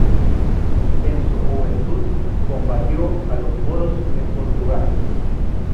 En su juventud combatió a los moros en Portugal.